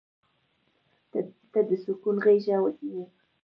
• ته د سکون غېږه یې.